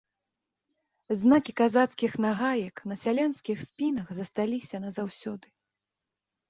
Знакі казацкіх нагаек на сялянскіх спінах засталіся назаўсёды.